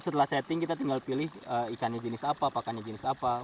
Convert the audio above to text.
setelah setting kita tinggal pilih ikannya jenis apa pakannya jenis apa